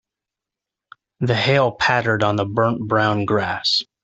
The hail pattered on the burnt brown grass.